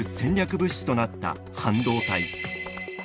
物資となった半導体。